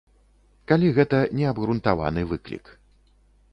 Калі гэта неабгрунтаваны выклік.